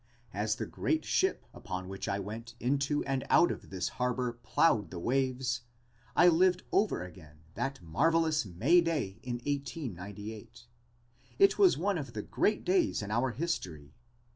As the great ship upon which I went into and out of this harbor plowed the waves I lived over again that marvelous May day in 1898. It was one of the great days in our history.